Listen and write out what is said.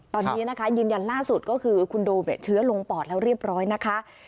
ตอนนี้นะคะยืนยันล่าสุดก็คือคุณโดมเชื้อลงปอดแล้วเรียบร้อยนะคะ